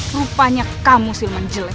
rupanya kamu silman jelek